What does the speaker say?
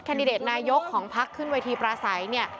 ดิเดตนายกของพักขึ้นเวทีปราศัยเนี่ย